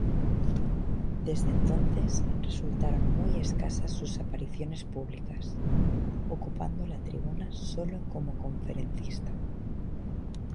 Desde entonces resultaron muy escasas sus apariciones públicas, ocupando la tribuna sólo como conferencista.